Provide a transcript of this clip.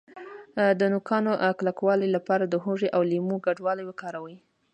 د نوکانو کلکولو لپاره د هوږې او لیمو ګډول وکاروئ